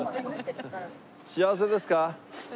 「幸せですか」。